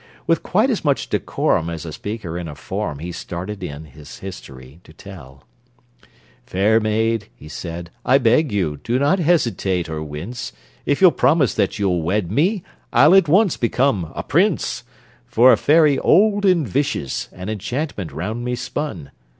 With quite as much decorum As a speaker in a forum He started in his history to tell. "Fair maid," he said, "I beg you, do not hesitate or wince, If you'll promise that you'll wed me, I'll at once become a prince; For a fairy old and vicious An enchantment round me spun!"